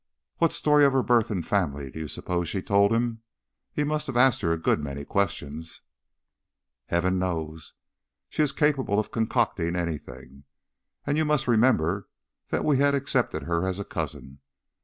What story of her birth and family do you suppose she told him? He must have asked her a good many questions." "Heaven knows. She is capable of concocting anything; and you must remember that we had accepted her as a cousin.